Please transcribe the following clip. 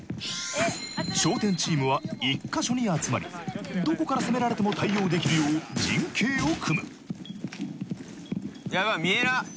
ＣＨＯＴｅＮチームは一ヵ所に集まりどこから攻められても対応できるよう陣形を組む。